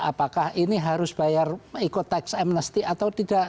apakah ini harus bayar ikut teks amnesti atau tidak